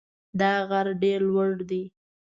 دا غر ډېر لوړ دی.